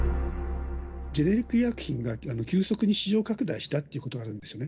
ジェネリック医薬品が急速に市場拡大したということがあるんですね。